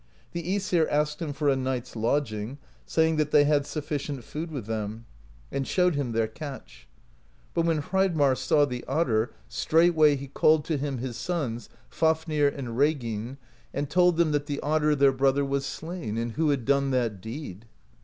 The^sir asked him for a night's lodging, say ing that they had sufficient food with them, and showed him THE POESY OF SKALDS 151 their catch. But when Hreidmarr saw the otter, straight way he called to him his sons, Fafnir and Reginn, and told them that the otter their brother was slain, and who had done that deed.